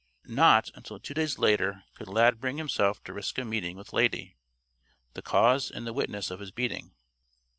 Not until two days later could Lad bring himself to risk a meeting with Lady, the cause and the witness of his beating.